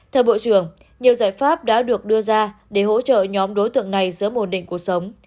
thưa bộ trưởng nhiều giải pháp đã được đưa ra để hỗ trợ nhóm đối tượng này giữ mồn định cuộc sống